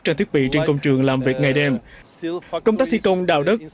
trang thiết bị trên công trường làm việc ngày đêm công tác thi công đào đất